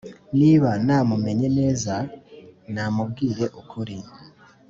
niba namumenye neza, namubwira ukuri.